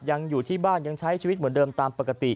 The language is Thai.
ยังอยู่ที่บ้านยังใช้ชีวิตเหมือนเดิมตามปกติ